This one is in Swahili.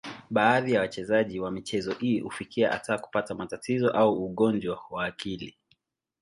Baadhi ya wachezaji wa michezo hii hufikia hata kupata matatizo au ugonjwa wa akili.